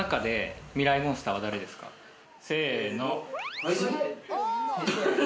はい。